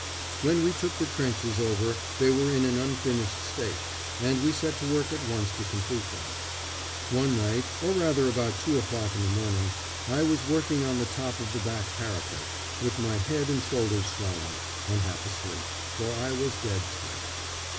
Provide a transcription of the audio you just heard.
When we took the trenches over they were in an unfinished state, and we set to work at once to complete them. One night, or rather about two o'clock in the morning, I was working on the top of the back parapet, with my head and shoulders showing, and half asleep, for I was dead tired.